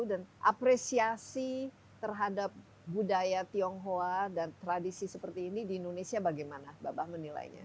dan apresiasi terhadap budaya tionghoa dan tradisi seperti ini di indonesia bagaimana bapak menilainya